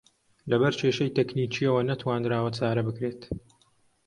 لەبەر کێشەی تەکنیکییەوە نەتوانراوە چارە بکرێت